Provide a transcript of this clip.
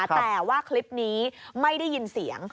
แต่ว่าคลิปนี้ไม่ได้ยินเสียง